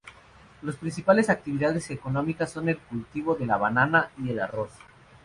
Las principales actividades económicas son el cultivo de la banana y el arroz.